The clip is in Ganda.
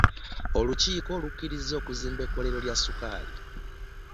Olukiika lukkirizza okuzimba ekkolero lya sukali.